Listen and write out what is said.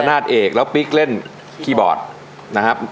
นาฏเอกแล้วปิ๊กเล่นคีย์บอร์ดนะครับ